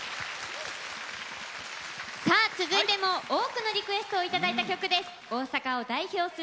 続いても多くのリクエストいただいた曲です。